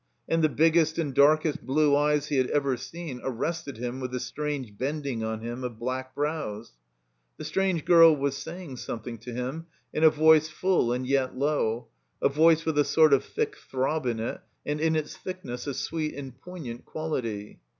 And the biggest and dark est blue eyes he had ever seen arrested him with a strange bending on him of black brows. The strange girl was sa}dng something to him, in a voice full and yet low, a voice with a sort of thick throb in it, and in its thickness a sweet and poignant quality.